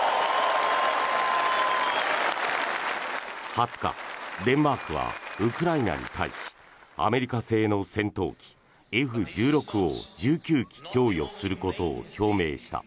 ２０日、デンマークはウクライナに対しアメリカ製の戦闘機、Ｆ１６を１９機供与することを表明した。